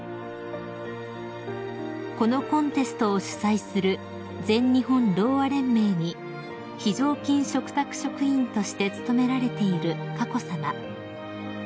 ［このコンテストを主催する全日本ろうあ連盟に非常勤嘱託職員として勤められている佳子さま］